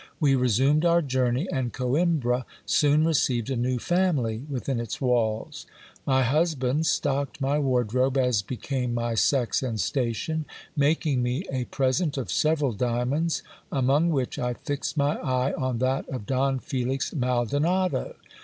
We resumed our journey, and Coimbra soon received a new family within its walls. My husband stocked my wardrobe as became my sex and station, making me a present of several diamonds, among which I fixed my eye on that of Don Felix Maldonado.